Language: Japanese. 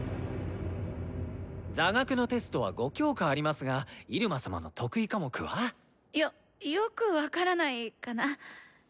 座学のテストは５教科ありますが入間様の得意科目は？よよく分からないかな。